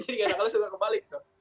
jadi kadang kadang suka kebalik